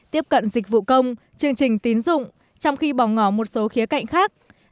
tiếp cận dịch vụ công chương trình tín dụng trong khi bỏ ngỏ một số khía cạnh khác